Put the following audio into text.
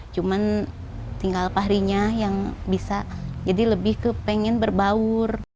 cuman tinggal fahri nya yang bisa jadi lebih kepengen berbaur